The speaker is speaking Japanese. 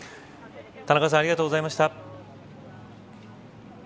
田中さんありがとうございました。